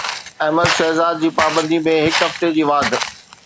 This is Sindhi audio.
احمد شهزاد جي پابندي ۾ هڪ هفتي جي واڌ